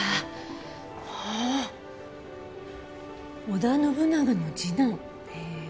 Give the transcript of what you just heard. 「織田信長の次男」へえ。